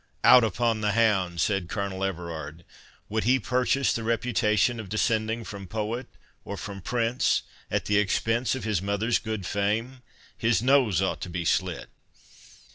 "Out upon the hound!" said Colonel Everard; "would he purchase the reputation of descending from poet, or from prince, at the expense of his mother's good fame?—his nose ought to be slit."